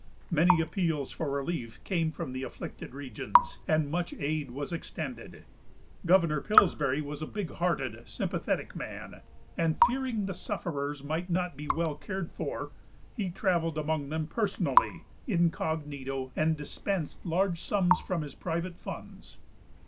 Many appeals for relief came from the afflicted regions, and much aid was extended. Governor Pillsbury was a big hearted, sympathetic man, and fearing the sufferers might not be well cared for, he travelled among them personally, incognito, and dispensed large sums from his private funds.